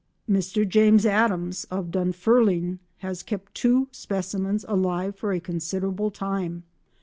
Mr James Adams of Dunfermline has kept two specimens alive for a considerable time.